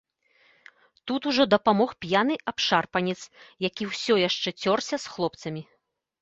Тут ужо дапамог п'яны абшарпанец, які ўсё яшчэ цёрся з хлопцамі.